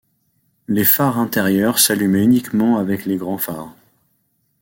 Les phares intérieurs s'allumaient uniquement avec les grands phares.